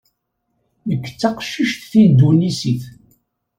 Nekk d taqcict tindunisit.